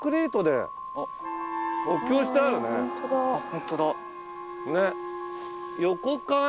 ホントだ。